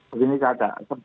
begini kak aga